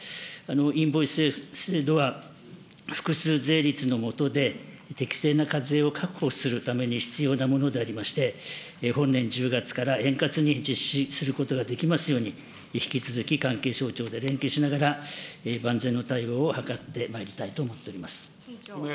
インボイス制度は、複数税率の下で適正な課税を確保するために必要なものでありまして、本年１０月から円滑に実施することができますように、引き続き関係省庁で連携しながら、万全の対応を図ってまいりたいと思っております。